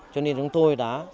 cho nên chúng tôi đã